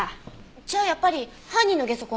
じゃあやっぱり犯人のゲソ痕。